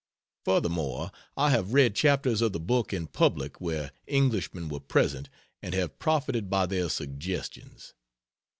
Furthermore, I have read chapters of the book in public where Englishmen were present and have profited by their suggestions.